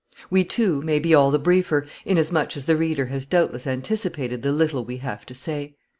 We, too, may be all the briefer, inasmuch as the reader has doubtless anticipated the little we have to say.